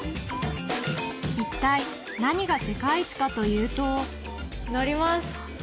一体何が世界一かというと乗ります